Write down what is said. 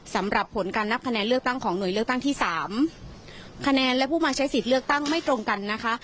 สำหรับผลการนับคะแนนเลือกตั้งของหน่วยเลือกตั้งที่สามคะแนนและผู้มาใช้สิทธิ์เลือกตั้งไม่ตรงกันนะคะ